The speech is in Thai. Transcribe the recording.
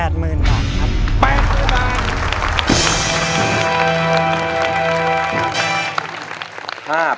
๘หมื่นบาทครับ